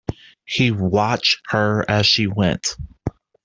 He watched her as she went.